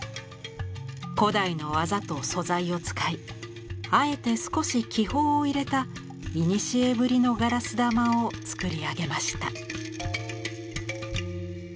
古代の技と素材を使いあえて少し気泡を入れた古ぶりのガラス玉を作り上げました。